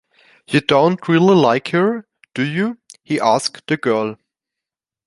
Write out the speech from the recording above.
“You don’t really like her, do you?” he asked the girl.